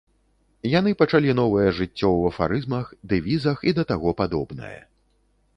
Яны пачалі новае жыццё ў афарызмах, дэвізах і да таго падобнае.